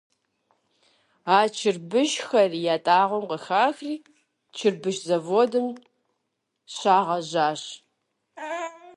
А чырбышхэри ятӏагъуэм къыхахри чырбыш заводым щагъэжащ.